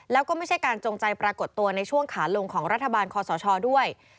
แล้วก็ไม่ใช่การจงใจปรากฏตัวในช่วงขาลงของรัฐบาลคอสชด้วย